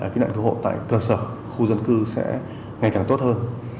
kết nặng cơ hội tại cơ sở khu dân cư sẽ ngày càng tốt hơn